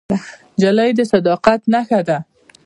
نجلۍ د صداقت نښه ده.